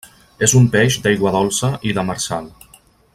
És un peix d'aigua dolça i demersal.